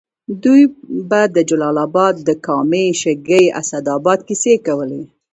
دوی به د جلال اباد د کامې، شګۍ، اسداباد کیسې کولې.